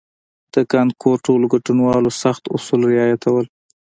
د کانکور ټولو ګډونوالو سخت اصول رعایتول.